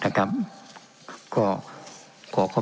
เป็นของสมาชิกสภาพภูมิแทนรัฐรนดร